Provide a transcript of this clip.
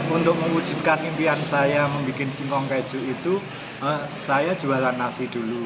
untuk mewujudkan impian saya membuat singkong keju itu saya jualan nasi dulu